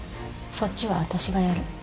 そっちは私がやる